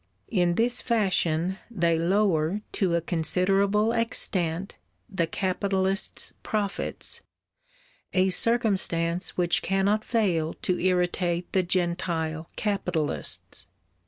In this fashion they lower, to a considerable extent, the capitalist's profits, a circumstance which cannot fail to irritate the Gentile capitalists.